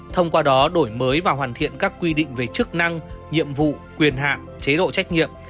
thông qua đó đổi mới và hoàn thiện các quy định về chức năng nhiệm vụ quyền hạn chế độ trách nhiệm